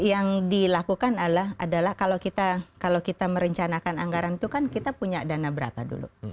yang dilakukan adalah kalau kita merencanakan anggaran itu kan kita punya dana berapa dulu